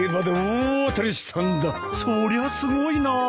そりゃすごいなぁ。